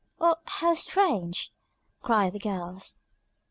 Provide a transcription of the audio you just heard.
"Well, how strange!" cried the girls.